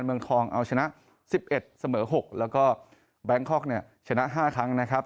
เมืองทองเอาชนะ๑๑เสมอ๖แล้วก็แบงคอกเนี่ยชนะ๕ครั้งนะครับ